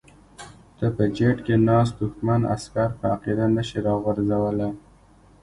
ته په جیټ کې ناست دښمن عسکر په عقیده نشې راغورځولی.